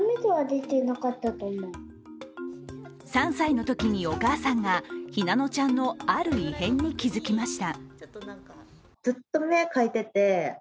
３歳のときにお母さんが日南乃ちゃんのある異変に気づきました。